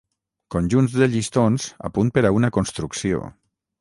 Conjunts de llistons a punt per a una construcció.